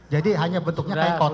jadi hanya bentuknya kayak kotak